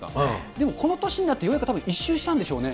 でもこの年になってようやくたぶん一周したんでしょうね。